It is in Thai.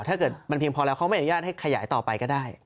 ถ้าเขาไม่ด้วยยากให้ขยายต่อไปก็ได้